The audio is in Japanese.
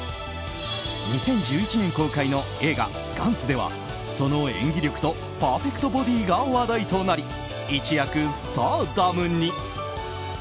２０１１年公開の映画「ＧＡＮＴＺ」ではその演技力とパーフェクトボディが話題となり一躍スターダムに。